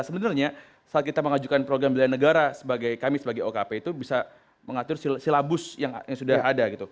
sebenarnya saat kita mengajukan program bela negara kami sebagai okp itu bisa mengatur silabus yang sudah ada